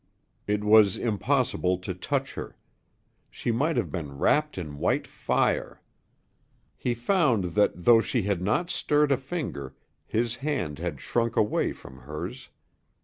It was impossible to touch her. She might have been wrapped in white fire. He found that though she had not stirred a finger, his hand had shrunk away from hers.